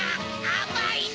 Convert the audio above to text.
あまいな！